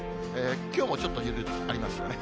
きょうもちょっと夕立ありましたかね。